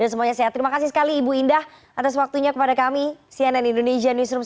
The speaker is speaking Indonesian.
dan semuanya sehat terima kasih sekali ibu indah atas waktunya kepada kami cnn indonesian newsroom